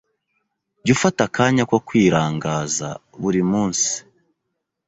Jya ufata akanya ko kwirangaza buri munsi.